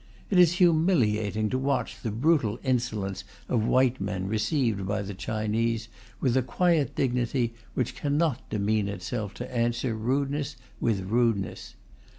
It is humiliating to watch the brutal insolence of white men received by the Chinese with a quiet dignity which cannot demean itself to answer rudeness with rudeness.